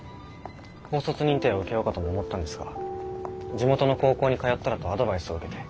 高卒認定を受けようかとも思ったんですが地元の高校に通ったらとアドバイスを受けて。